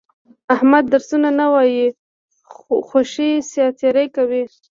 احمد درسونه نه وایي، خوشې ساتېري کوي.